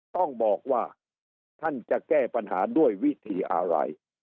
ต้องบอกว่าท่านจะแก้ปัญหาด้วยวิธีอะไร